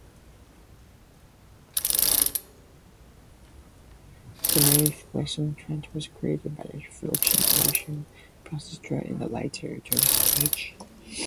The Norwegian Trench was created by fluvial erosion processes during the later Tertiary age.